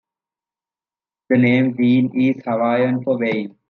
The name Wene is Hawaiian for "Wayne".